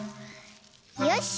よし！